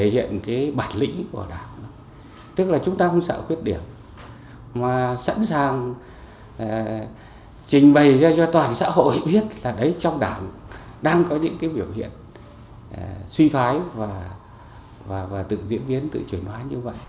đang có những biểu hiện suy thoái và tự diễn biến tự chuyển hóa như vậy